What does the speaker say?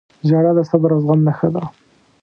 • ژړا د صبر او زغم نښه ده.